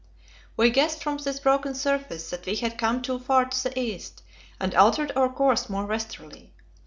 We guessed from this broken surface that we had come too far to the east, and altered our course more westerly.